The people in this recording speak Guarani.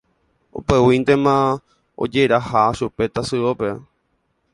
Upéguintema ojeraha chupe tasyópe.